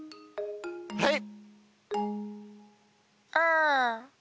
はい！